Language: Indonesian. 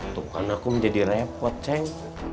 tuh kan aku menjadi repot ceng